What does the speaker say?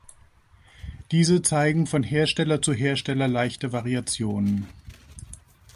Diese zeigen von Hersteller zu Hersteller leichte Variationen.